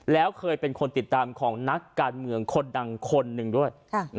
แล้วเคยเป็นคนติดตามของนักการเมืองคนดังคนหนึ่งด้วย